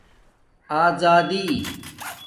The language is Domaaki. آزدی